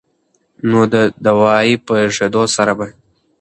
نو د دوائي پرېښودو سره به